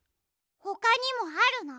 ほかにもあるの？